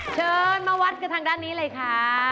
เชิญมาวัดกันทางด้านนี้เลยค่ะ